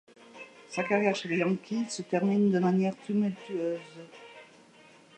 Sa carrière chez les Yankees se termine de manière tumultueuse.